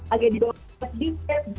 agak dibawa di set